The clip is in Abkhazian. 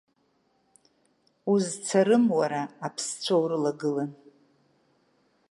Узцарым уара аԥсцәа урылагылан…